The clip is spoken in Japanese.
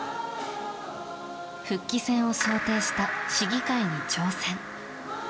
復帰戦を想定した試技会に挑戦。